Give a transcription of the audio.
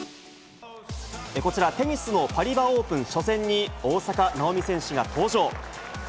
こちら、テニスのパリバ・オープン初戦に、大坂なおみ選手が登場。